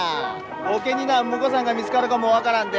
後家に婿さんが見つかるかも分からんで。